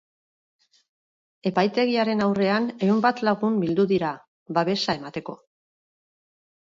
Epaitegiaren aurrean ehun bat lagun bildu dira, babesa emateko.